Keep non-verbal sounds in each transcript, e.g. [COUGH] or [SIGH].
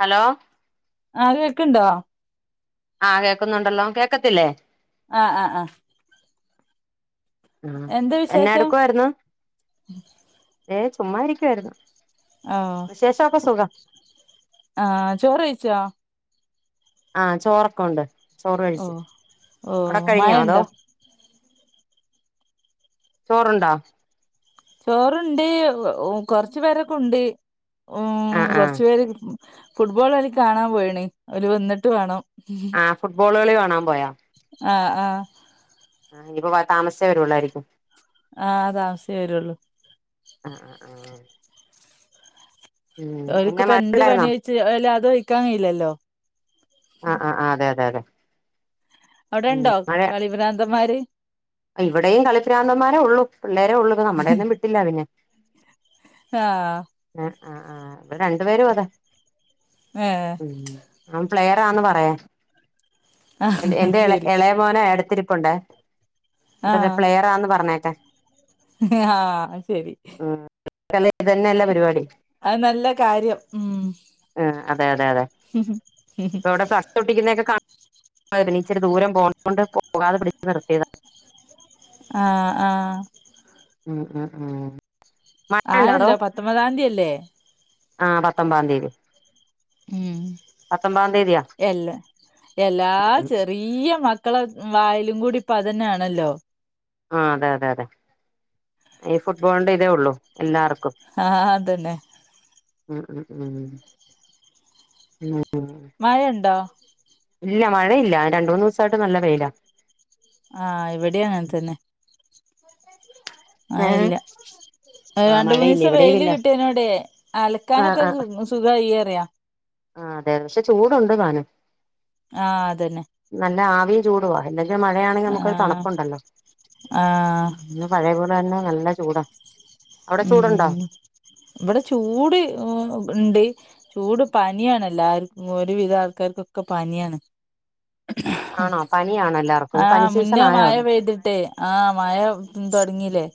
Hello? ആ അത് കേൾക്കണ്ടോ? ആഹ് കേക്കുന്നുണ്ടല്ലോ കേൾക്കത്തില്ലേ? ആ ആ ആ ആ എന്താ എന്നെ വിശേഷം എടുക്കുവായിരുന്നു ഏ ചുമ്മാ ഇരിക്കുവായിരുന്നു. ആ വിശേഷമൊക്കെ സുഖം ആഹ ചോറ് കഴിച്ചോ? ആഹ് ചോറൊക്കെ ഉണ്ട് ചോറ് ഓ കഴിച്ചു ഓ അവിടെ കഴിഞ്ഞോ അതോ മഴണ്ടോ ചോറുണ്ടോ. ചോറുണ്ട് കൊറച്ചു പേരൊക്കെ ഉണ്ട് ഉ ആഹ് ആഹ് കൊറച്ചു പേര് ഫുട്ബോൾ അവര് കാണാൻ പോയണ് അവര് വന്നിട്ട് വേണം ആ ഫുട്ബോൾ കി കാണാൻ പോയാ ആഹ ആഹ ഇപ്പ താമസിച്ചേ വരുള്ളായിരിക്കും. ആഹ താമസിചൊ വരുള്ളൂ. ആ ആ ആ ആ് എന്നാ അവർക്ക്പ്പം മഴ എന്ത് ഉണ്ടായിരുന്നോ പണി ഒഴച്ച് അല്ല അത് ഒഴിക്കാൻ കഴിയില്ലല്ലോ? ആ ആ ആ അതെ അതെ അതെ അവിടെ ഉം ഇണ്ടോ മഴ കളിഭ്രാന്തന്മാര്. ഇവിടെയും കളിപ്രാന്തമാരെ ഉള്ളൂ പിള്ളേരെ ഉള്ളു നമ്മുടെയൊന്നും വിട്ടില്ല അവന് ആഹ്. ആ ആ ആ് ഇവിടെ രണ്ടു പേരും അതെ. ആഹ് ഉ ആൻ പ്ലെയറാന്ന് ആ പറയാഎൻ്റെ ശരി എള മോന എടുത്തിരിപ്പുണ്ട് ആ ഇ പ്ലെയറാന്ന് പറഞ്ഞേക്കെ ആഹ് ശരി. ആള തന്നെ [UNINTELLIGIBLE] അത് നല്ല കാര്യം ഉം ആ അതെ അതെ അതെ ഇപ്പ ഇവിടെ തൊട്ടിക്കുന്നതൊക്കെന്നെ ഇച്ചിരി ദൂരം പോകണ കൊണ്ട് പോകാതെ പിടിച്ചച്ച് നിർത്തിയതാണ്. ആഹ ആഹ് ആഹാ ആഹാ ആഹാ ആയല്ലോ പത്തൊമ്പതാം തിയല്ലേ? ആ പത്തൊമ്പതാം തീയതി. ഉം പത്തൊമ്പതാം തീയതിയാ എല്ല എല്ലാ ചെറി ഈയ മക്കളെ വായലും കൂടി ഇപ്പൊ അതന്നാണല്ലോ. ആ അതെ അതെ അതെ ഈ ഫുട്ബോളിന്റെ ഇതേ ഉള്ളൂ എല്ലാർക്കും. ആഹ് അതന്നെ. ആ ആ ആഹ് മഴണ്ടോ? ഇല്ല മഴയില്ല രണ്ട് മൂന്ന് സായിട്ട് നല്ല വെയില. ആഹ് ഇവിടിം അങ്ങനെ തന്നെ മയ ഏഹ് ഇല്ല ആഹ് രണ്ട് മഴയില്ല മൂന്നീസം ഇവിടെയും വെയില് ഇല്ല കിട്ടിയേനോട്. ആഹ് അലക്കാനൊക്കെ സു ആഹ് സുഖായീ അറയ ആഹ് അതെ പക്ഷെ ചൂടുണ്ട് താനും ആഹ് അതന്നെ. നല്ല ആവിം ചൂടുവാ എന്തെങ്കിലും മഴയാണെങ്കി നമുക്കൊരു ആഹ് തണുപ്പുണ്ടല്ലോ ആഹ് ഇന്ന് പഴേപോലന്നെ നല്ല ചൂടാ. അവിടെ ചൂടുണ്ടോ ഉം ഇവടെ ചൂട് ഉം ഇണ്ട് ചൂട് പനിയാണെല്ലാർക്കും ഒരുവിധാൾക്കാർക്കൊക്കെ പനിയാണ്. ആണോ പനിയാണോ എല്ലാവർക്കും പനി ആഹ് സീസൺ മുന്നേ ആയോ മഴ അവിടെ പെയ്തിട്ട് ആഹ് മഴ തൊടങ്ങീല്ലേ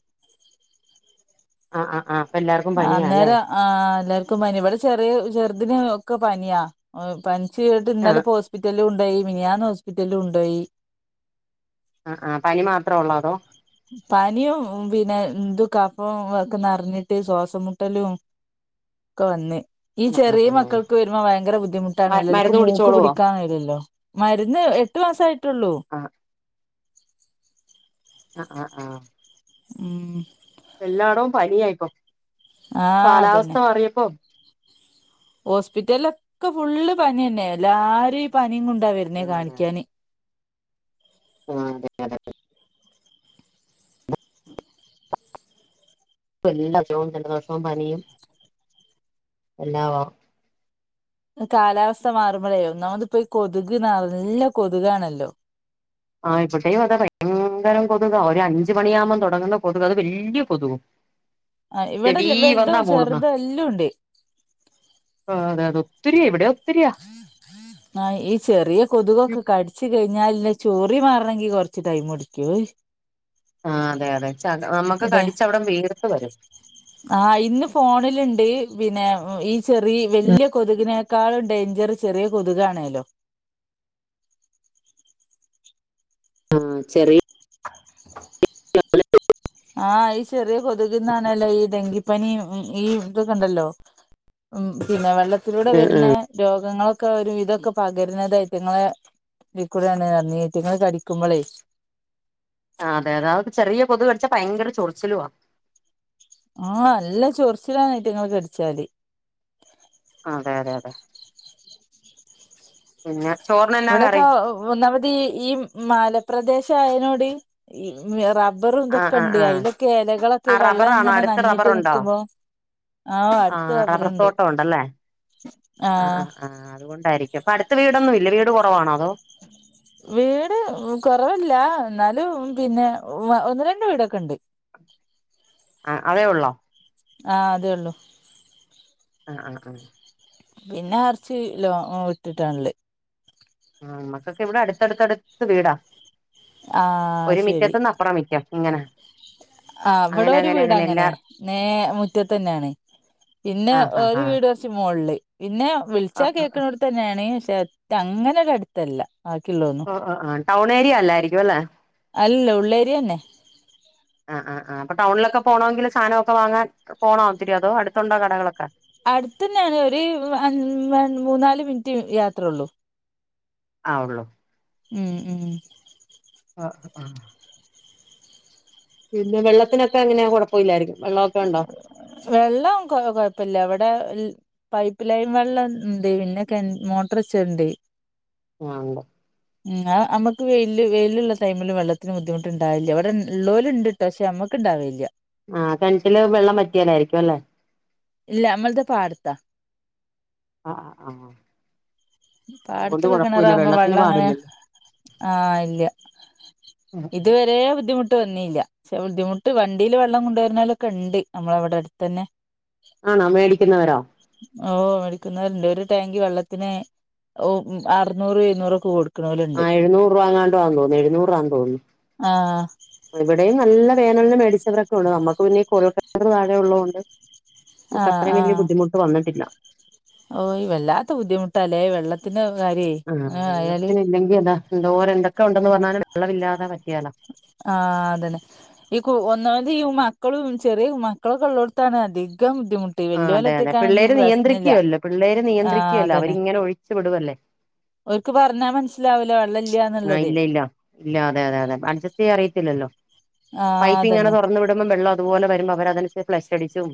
ആഹ് ആഹ് ആഹ് അപ്പെല്ലാർ ആഹ് അന്നേരം ആഹ് എല്ലാർക്കും പനി ഇവിടെ ചെറിയ ചെറുതിന് ഒക്കെ പനിയാ. പനിച്ച് കേട്ട് ആ ഇന്നലെപ്പോ ഹോസ്പിറ്റൽല് കൊണ്ടോയി മിനിയാന്ന് ഹോസ്പിറ്റൽല് കൊണ്ടോയി ആഹ് ആഹ് പനി മാത്രൊ ഒള്ളോ അതോ ഉം പനീം പിന്നെ ഇത് കഫും ഒക്കെ നറഞ്ഞിട്ട് ശ്വാസം മുട്ടലും ഒക്കെ വന്ന് ഈ ആ ആ ചെറിയ ആ മക്കൾക്ക് വരുമ്പോ ഭയങ്കര ബുദ്ധിമുട്ടാണല്ലോ ഇക്ക് മരുന്ന് മൂക്ക് കുടിച്ചോളുവോ പിടിക്കാൻ കഴിയില്ലല്ലോ മരുന്ന് എട്ട് മാസായിട്ടുള്ളൂ. ആ അഹ് ആഹ് ആഹ് ഉം എല്ലാടോം പനിയായിപ്പം ആഹ് അതന്നെ കാലാവസ്ഥ മാറിയപ്പം ഹോസ്പിറ്റൽലൊക്കെ ഫുള്ള് പനിന്നെയ എല്ലാരും ഈ പനിം കൊണ്ടാ ആ വരുന്നേ കാണിക്കാന്. ആഹ് അതെ അതെ. [UNINTELLIGIBLE] ജലദോഷവും പനിയും എല്ലാവോം കാലാവസ്ഥ മാറുമ്പളേ ഒന്നാമതിപ്പീ കൊതുക് നല്ല കൊതുകാണല്ലോ ആഹ് ഇബടേയും അതെ ഭയങ്കരം കൊതുകാ ഒരഞ്ച് മണിയാകുമ്പോ തൊടങ്ങുന്ന കൊതുകാ അത് വല്ല്യ കൊതുകും. അഹ് ചെവീ ഇവിടെല്ലെ വന്നാ വെല്തും മൂളുന്നെ ചെറുതും എല്ലവുണ്ട്. ആഹ് അതെയതെ ഒത്തിരിയ ഇവിടൊത്തിരിയ [INAUDIBLE] ആഹ് ഈ ചെറിയ ഈ കൊതുകൊക്കെ കടിച്ച് കഴിഞ്ഞാൽല്ലെ ചൊറി മാറണെങ്കി കൊറച്ച് ടൈമെടുക്കുവേ ആഹ് അതെയതെ ച നമ്മക്ക് കടിച്ചവിടെ വീർത്ത് വരും. ആഹ് ഇന്ന് ഫോണിലിണ്ട് പിന്നെ ഈ ചെറി വല്ല്യ കൊതുകിനേ ക്കാളും ഡേയ്ഞ്ചറ് ചെറിയ കൊതുകാണേലോ ചെറി [INAUDIBLE] [UNINTELLIGIBLE] ആഹ് ഈ ചെറിയ കൊത്കിന്നാണല്ലോ ഈ ഡെങ്കി പ്പനി ഈ ഇതൊക്കെണ്ടല്ലോ ഉം പിന്നെ വെള്ളത്തിലൂടെ ആഹ് വെര്ണെ ആഹ് രോഗങ്ങളൊക്കെ ഒരുവിധൊക്കെ പകരുന്നതയിറ്റിങ്ങളെ ഇതീക്കൂടെയാണ്റഞ്ഞു ഇയ്റ്റിങ്ങള് കടിക്കുമ്പളേ ആഹ് അതെയതെ [UNINTELLIGIBLE] ചെറിയ കൊത്ക് കടിച്ചാ ഭയങ്കര ചൊറിച്ചിലുവാ ആഹ് നല്ല ചൊറിച്ചിലാണ് ഇതിറ്റിങ്ങള് കടിച്ചാല് അതെ അതെ അതെ പിന്നെ ചോറിനെന്നാ ഇവിടൊക്കെ കറി ഒന്നാമതീ ഈ മലപ്രദേശം ആയനോടീ റബ്ബറും ആഹ് ഇതൊക്കെ ആഹ് ഉണ്ട്. ആഹ് അതിലൊക്കെ ഇലകളൊക്കെ ആഹ് ഈ വെള്ളം ഇങ്ങനെ നനഞ്ഞിട്ട് നിക്കുമ്പോ. ആഹ് ആ അടുത്ത് റബ്ബറുണ്ട് റബർത്തോട്ടം ഉണ്ടല്ലേ. ആ. ആ. ആഹ് ആ അതുകൊണ്ടായിരിക്കും അപ്പം അടുത്ത് വീടൊന്നും ഇല്ലേ? വീട് കുറവാണോ അതോ [INAUDIBLE] വീട് കൊറവല്ല, എന്നാലും പിന്നെ ഒന്ന് രണ്ട് വീടൊക്കെ ഉണ്ട് ആ അതേ ഉള്ളോ ആ അതേ ഉള്ളൂ ആ ആ ആ പിന്നെ കുറച്ച് ലോംഗ് വിട്ടിട്ടാണുള്ളേ. നമ്മുക്കൊക്കെ ഇവിടെ അടുത്തടുത്തടുത്ത് വീടാ, ആ ഒരു ശരി മിറ്റത്തിന്ന് അപ്പുറം മിറ്റം. ഇങ്ങനെ ആ ഇവിടെ ഒരു വീട് അങ്ങനെ. നേരെ മുറ്റത്ത് തന്നെയാണ്, പിന്നെ ആഹ് ആഹ് ഒരു ആഹ് വീട് കുറച്ച് മുകളില്. പിന്നെ വിളിച്ചാൽ ആഹ് കേൾക്കണടുത്ത് തന്നെയാണ്. പക്ഷെ അങ്ങനെ ഒരു അടുത്തല്ല. ആക്കിയില്ലേന്നും. ആഹ് ആഹ് ടൗൺ ഏരിയ അല്ലായിരിക്കും അല്ലേ അല്ല ഉള്ളേരിയന്നെ ആ ആ അപ്പൊ ടൗണിലൊക്കെ പോണെങ്കിൽ സാധനക്കെ വാങ്ങാൻ, പോണോ ഒത്തിരി, അതോ അടുത്തോണ്ടോ കടകളൊക്കെ. അടുത്തന്നെയാണ്. ഒരു മൂന്നാല് മിനിറ്റ് യാത്രയേ ഉള്ളു ആ ഉള്ളൂ ഉം ഉം ആഹ ആ ആ പിന്നെ വെള്ളത്തിനൊക്കെ എങ്ങനെയാ, കുഴപ്പമില്ലായിരിക്കും വെള്ളക്കെ ഉണ്ടോ വെള്ളം കൊ കൊഴപ്പില്ല. ഇവിടെ പൈപ്പ് ലൈൻ വെള്ളം ഇണ്ട്. പിന്നെ കേ മോട്ടോർ വചെണ്ട് ആ ഉണ്ട് പിന്നാ നമുക്ക് വെ വെയിലുള്ള ടൈമില് വെള്ളത്തിന് ബുദ്ധിമുട്ടുണ്ടാവില്ല. ഇവിടെ ഉള്ളോൽ ഇണ്ട്. പക്ഷെ നമ്മുക്കുണ്ടാവലില്ല ആഹ് കണറ്റില് വെള്ളം വറ്റിയാലായിരിക്കും അല്ലേ. ഇല്ല നമ്മളത് പാടത്താ. ആ ആഹ് ആ അതുകൊണ്ട് പടത്തിള്ള കിണറ് കുഴപ്പമില്ല ആകുമ്പോ വെള്ളത്തിന് വെള്ളം അങ്ങനെ.. പാടില്ലല്ലോ ആ. ഇല്ല ഇതുവരെ ബുദ്ധിമുട്ട് വന്നില്ല പക്ഷേ ബുദ്ധിമുട്ട് വണ്ടിയില് വെള്ളം കൊണ്ടുവരുന്നോനലൊക്കെ ഉണ്ട് നമ്മളെ ഇവിടെ അടുത്ത് തന്നെ. ആണോ മേടിക്കുന്നവരോ ഓ മേടിക്കുന്നവരുണ്ട്. ഒരു ടാങ്കി വെള്ളത്തിന് ഓ അറുന്നൂറ് എഴുന്നൂറ് ഒക്കെ കൊടുക്കും. ആ എഴുന്നൂറ് രൂപങ്ങാണ്ടുവാന്ന് തോന്നുന്നു. എഴുന്നൂറൂ ആന്ന് തോന്നുന്നു ആഹ് ഇവിടെയും നല്ല വേനലിന് മേടിച്ചവരൊക്കെ ഉണ്ട്. നമ്മുക്ക് പിന്നെഈ കുഴൽക്കിണർ താഴെ ഉള്ളതുകൊണ്ട്. നമുക്ക് ആഹ് അത്രയും വലിയ ആഹ്. ബുദ്ധിമുട്ട് വന്നിട്ടില്ല ഓയ് വല്ലാത്ത ബുദ്ധിമുട്ടാല്ലേ വെള്ള ത്തിന്റെ കാര്യേ ആ അയാല് ഇല്ലെങ്കിൽ എന്തോരെന്തൊക്കെ ഉണ്ടെന്ന് പറഞ്ഞാലും വെള്ളമില്ലാതെ പറ്റിയാലാ ആഹ അതന്നെ ഈ ഒന്നാമത് ഈ മക്കളും, ചെറിയ മക്കളൊക്കെയുള്ളെടുത്താണ് അധികം ബുദ്ധിമു ഈ ആ വല്യോല് അതെ അതെ ഒറ്റക്കാ ആണെങ്കിൽ പിള്ളേര് പ്രശ്നം ഇല്ല. നിയന്ത്രിക്കുവല്ലോ പിള്ളേര് ആഹ് നിയന്ത്രിക്കുവല്ലോ അതന്നെ അവരിങ്ങനെ ഒഴിച്ചു വിടുവല്ലേ ഓൽക്ക് പറഞ്ഞാൽ മനസ്സിലാവില്ല. വെള്ള ഇ ആ. ഇല്ല ഇല്ല ഇല്ല. അതെ.. അതെ അതെ, അഡ്ജസ്റ്റ് ചെയ്യാൻ അറിയത്തില്ലല്ലോ ആഹ് പൈപ്പ് ഇങ്ങനെ അതന്നെ തുറന്നു വിടുമ്പോ വെള്ളം അതുപോലെ വരുമ്പോ അവര് അതിന് അനുസരിച് ഫ്ലഷ് അടിച്ചും.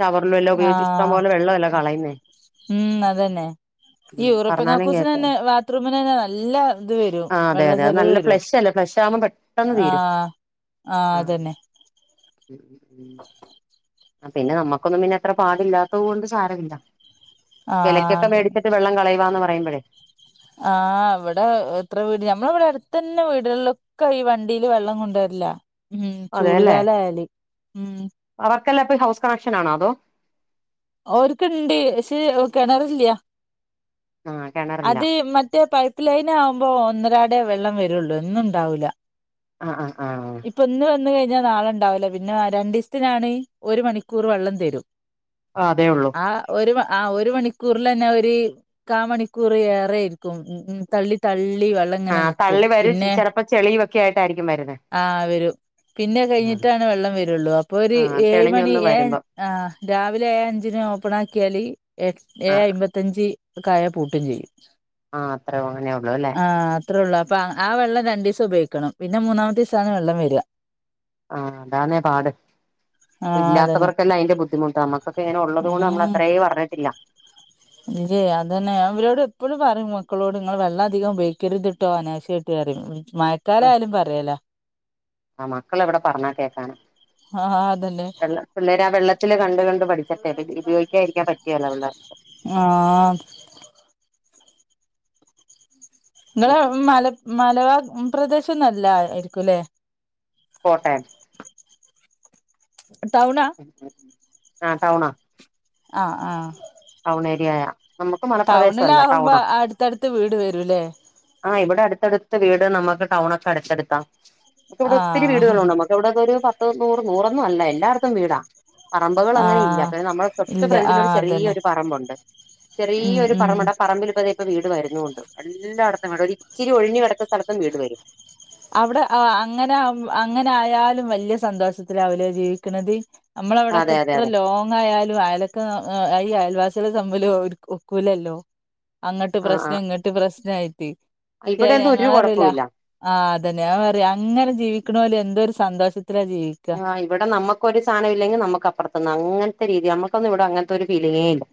ഷവറിലെല്ലൊം ഉപയോഗിച്ച് ഇഷ്ടം ആഹ് പോലെ വെള്ളം അല്ലെ കളയുന്നേ ഉം അതന്നെ ഉം പറഞ്ഞാലും കേക്ക ബാത്ത്റൂമിൻ തന്നെ നല്ല ഇത് വരും വെള്ള അതെ അത് ചെലവ് നല്ല വരും ഫ്ലഷ് അല്ലേ ഫ്ലഷ് ആവുമ്പോ പെട്ടെന്ന് തീരും ആഹ് ആഹ് ആ അതന്നെ ഉം പിന്നെ നമുക്കൊന്നും പിന്നെ അത്ര പാടില്ലാത്തത് കൊണ്ട് സാരമില്ല ആഹ് വിലയ്ക്കൊക്കെ അതന്നെ മേടിച്ചിട്ട് വെള്ളം കളയവാന്ന് പറയ്പഴേ ആഹ് ഇവിടെ എത്ര വീട് നഞമ്മള ഇവിടെ അടുത്തു തന്നെ വീടുകളിലെ ഒക്കെ ഈ വണ്ടിയില് വെള്ളം കൊണ്ടുവരല്ല ഉം ചൂട്കാലായാല് ഉം അവർക്കല്ലാ ഹൗസ് കണക്ഷൻ ആണോ അതോ ഓര്ക്ക്ണ്ട് പക്ഷെ കെണറില്ല ആ കിണറില്ല അത് മറ്റേ പൈപ്പ പ്പ്ലൈന ആവുമ്പോ ഒന്നരാടെ വെള്ളം വരൊള്ളൂ എന്നും ഇണ്ടാവൂല ആഹ് ആഹ് ആഹ് ആഹ് ഇപ്പൊ ഇന്ന് വന്ന് കഴിഞ്ഞാൽ നാളെ ഉണ്ടാവൂല പിന്നെ രണ്ടീസത്തിനാണ് ഒരു മണിക്കൂർ വെള്ളം തരും ആഹ് അതെ ഒള്ളൂ ആഹ് ഒരു ആഹ് ഒരു മണിക്കൂറൽ തന്നെ ഒരു കാമണിക്കൂർ ഏയ്റെര്ക്കും ഉം തള്ളി തള്ളി വെള്ളം അങ്ങനെ ആഹ് നിക്കും തള്ളി പിന്നെ വരും ചിലപ്പോ ചെളിയുമൊക്കെ ആയിട്ടായിരിക്കും വരുന്നേ ആഹ് വെരും പിന്നെ ആഹ് കഴിഞ്ഞിട്ടാണ് വെള്ളം വരൊള്ളൂ. അപ്പൊ ഒരു ആഹ് ഏഴ് മണി തെളിഞ്ഞൊന്ന് ഏ വരുമ്പം ആഹ് രാവിലെ രാവിലെ ഏ അഞ്ചിന് ഓപ്പൺ ആക്കിയാൽ എ ഏ ആഹ് അമ്പത്തഞ്ച് കായ പൂട്ടും ചെയ്യും ആഹ് അത്രേ അങ്ങനേ ഒള്ളൂ ല്ലേ ആ ഹ് അത്രേ ഒള്ളൂ അപ്പം ആ വെള്ളം രണ്ടീസം ഉപയോഗിക്കണം പിന്നെ മൂന്നാമത്തീസണ് വെള്ളം വര ആഹ് അതാന്നെ പാട് ആഹ് അതന്നെ ഇല്ലാത്തവർക്കെല്ലാം അതിന്റെ ബുദ്ധിമുട്ട നമ്മക്ക് അക്കെ ഇങ്ങന ഉള്ളതുകൊണ്ട് നമ്മള അത്രേ പറഞ്ഞിട്ടില്ല ഇജേ അതന്നെ അവരോട് എപ്പോഴും പറയും മക്കളോട് ഇങ്ങൾ വെള്ളധികം ഉപേയോഗിക്കരുത് ട്ടോ അനാവ ട്ട് മയക്കാല ആയാലും പറയലാ ആ ഹ് മക്കൾ എവിടെ പറഞ്ഞാ കേക്കാനാ ആഹ് അതന്നെ വെള്ളം പിള്ളേര് ആ വെള്ളത്തിൽ കണ്ട കണ്ട് പഠിച്ചട്ടെ ഉപയോഗിക്കാതിരിക്കാൻ പറ്റുവല്ലപിള്ളേർക്ക് ആഹ് ഇങ്ങളെ മല മലബ പ്രദേശംന്നല്ല ആയിരിക്കുല്ലെ കോട്ടയം ടൗണ ആഹ് ടൗണ ആഹ് ആഹ് ടൗണേഏരിയായ ടൗണിലാകുമ്പോ അടുത്തടുത്ത് വീട് വരൂല്ലേ ആഹ് ഇവിടെ അടുത്തടുത്ത് വീട് നമ്മുക്ക് ടൗൺ ഒക്കെ അടുത്തടുത്താ ന ഇവിടെ ഒത്തിരി ആഹ് വീടുകളുണ്ട്മ്മ ഇവിടതൊ ഒരു പത്ത് നൂറ് നൂറൊന്നും അല്ല എല്ലാർത്തും വീടാ പറമ്പുകൾ അങ്ങെ ഇല്ല ആഹ് പിന്നെ നമ്മളെ തൊട്ട് ഇല്ല ഫ്രണ്ടിലൊരു ആഹ് അതന്നെ ചെറിയൊരു പറമ്പുണ്ട് ഉം ചെറിയൊരു ഉം പറമ്പുണ്ട് പറമ്പിൽ ഇപ്പതായ് ഇപ്പ വീട് വരുന്നുണ്ട് എല്ലായിടത്തും വീട് ഒരു ഇച്ചിരി ഒഴിഞ്ഞുിടത്ത സ്ഥലത്തും വീട് വരും അവിടെ അങ്ങനെ അങ്ങനെ ആയാലും വല്യയ സന്തോഷത്തി അവുലെ ജീവിക്കണത് നമ്മള അവിടൊക്കെ അതെ അതെ ഇത്ര അതെ ല്ലോ ങ്ങായാലും അയലൊക്കെ ഈ അയൽവാസികളെ തമ്മിൽ ഒക്കൂലല്ലോ അങ്ങട്ട് ആ ആ പ്രശ്നം ഇങ്ങട്ട് പ്രശ്നയിട്ട് ഷെ അഹ് ഇവിടെയൊന്നും ഒരു ഞങ്ങളറില്ല കുഴപ്പമില്ല ആഹ് അതന്നെ ഞാൻ പറയാ അങ്ങനെ ജീവിക്കണോലെ എന്തോരു സന്തോഷത്തിലാ ജീവി ആഹ് ഇവിടെ നമക്കൊ ഒരു സാധനമല്ലെങ്കിൽ നമുക്കപ്പറത്ത്ന്ന് അങ്ങനത്തെ രീതി നമുക്കൊന്നും ഇവിടെ അങ്ങനത്തെ ഒരു ഫീലിങ്ങേ ല്ല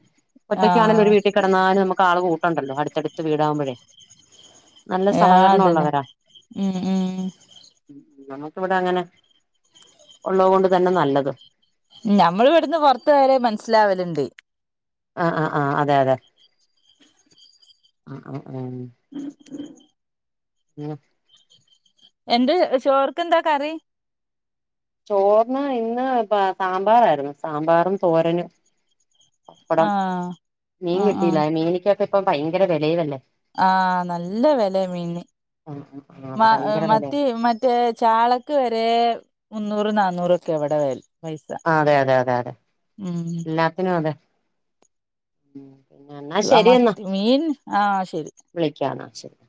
ഒറ്റക്കാണെലും ആഹ് ഒരു വീട്ടി കെടന്നാലും നമുക്ക് ആള് കൂട്ടുണ്ടല്ലോ അടുത്തടുത്ത് വീടാകുമ്പോഴേ നല്ല ആ സഹകരണം അതന്നെ ഉം ഉം ഞമക്ക് ഇവിടെ അങ്ങനെ ഉള്ളകൊണ്ട് തന്നെ നല്ലത് ഞമ്മൾ ഇവിടുന്ന് പുറത്ത വരെ മനസ്സിലാവലുണ്ട് ആ ആഹ് ആഹ് അതെ അതെ ആ ആ മ്മ് എന്ത് ചോറിക്ക് എന്താ കറി ചോർന്ന് ഇന്ന് പ്പ സാമ്പാറായിരുന്നു സാമ്പാറും തോരനും പപ്പടം ആഹ് മീൻ ആഹ് ആഹ് കിട്ടില്ല മീനിക്കൊക്കെ ഇപ്പ ഭയങ്കര വിലയിലല്ലേ ആഹ നല്ല വെല മീന് ആ ആ മ അതെ ഭയങ്കര വിലയാ മത്തി മ ചാളക്ക് വരെ മുന്നൂറ് നന്നൂറ് ഒക്കെ ഇവിടെ വെരണ ആ അതെ അതെ അതെ എല്ലാത്തിനും അതെ പിന്നെ എന്നാ മ മീൻ ആഹ ശരി വിളിക്കാ നാ ശെരി